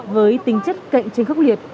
với tính chất cạnh tranh khắc liệt